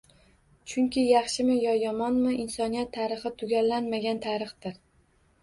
Chunki, yaxshimi yo yomonmi, insoniyat tarixi tugallanmagan tarixdir